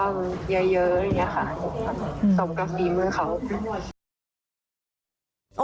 สนบกับธรีมือเขา